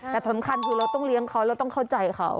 แต่สำคัญคือเราต้องเลี้ยงเขาเราต้องเข้าใจเขา